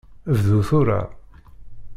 Bdu tura!